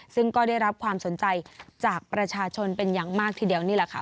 ซึ่งก็ได้รับความสนใจจากประชาชนเป็นอย่างมากทีเดียวนี่แหละค่ะ